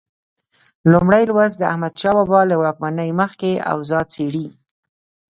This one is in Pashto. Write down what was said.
لومړی لوست د احمدشاه بابا له واکمنۍ مخکې اوضاع څېړي.